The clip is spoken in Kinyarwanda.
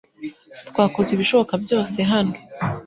Twakoze ibishoboka byose hano .